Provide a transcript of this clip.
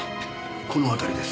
この辺りです。